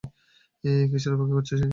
কীসের অপেক্ষা করছো, বিশু?